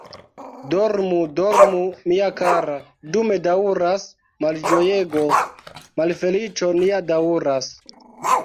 Dormu, dormu, mia kara, dume daŭras malĝojego, malfeliĉo nia daŭras.